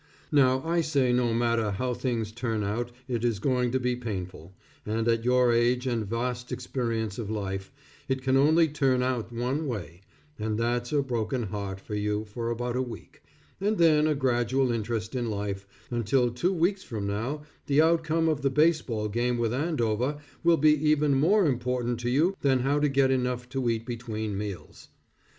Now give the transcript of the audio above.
Now, I say no matter how things turn out it is going to be painful, and at your age and vast experience of life, it can only turn out one way, and that's a broken heart for you for about a week, and then a gradual interest in life, until two weeks from now the outcome of the baseball game with Andover, will be even more important to you than how to get enough to eat between meals.